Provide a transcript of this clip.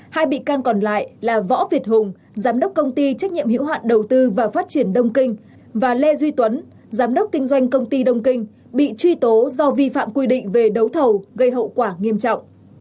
hai bị can còn lại là võ việt hùng giám đốc công ty trách nhiệm hữu hạn đầu tư và phát triển đông kinh và lê duy tuấn giám đốc kinh doanh công ty đông kinh bị truy tố do vi phạm quy định về đấu thầu gây hậu quả nghiêm trọng